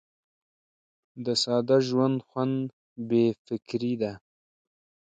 د ساده ژوند خوند بې فکري ده.